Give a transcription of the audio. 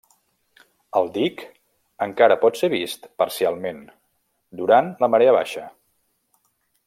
El dic encara pot ser vist parcialment durant la marea baixa.